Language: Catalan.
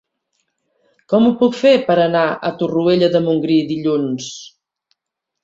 Com ho puc fer per anar a Torroella de Montgrí dilluns?